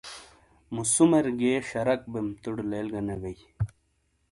مُو سُومیر گئیے شرک بیم ےتوڑے لیل گہ نے بئیی۔